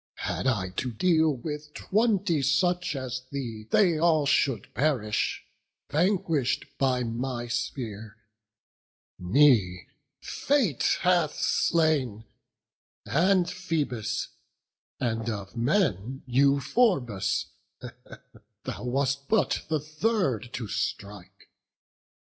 Had I to deal with twenty such as thee, They all should perish, vanquish'd by my spear: Me fate hath slain, and Phoebus; and, of men, Euphorbus; thou wast but the third to strike.